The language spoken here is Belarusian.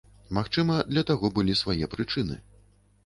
Магчыма, для таго былі свае прычыны.